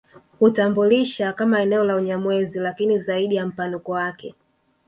Hutambulisha kama eneo la Unyamwezi lakini zaidi ya mpanuko wake